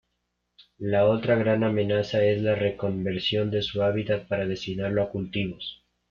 La otra gran amenaza es la reconversión de su hábitat para destinarlo a cultivos.